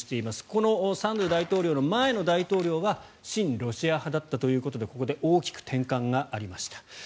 このサンドゥ大統領の前の大統領は親ロシア派だったということでここで大きく転換がありました。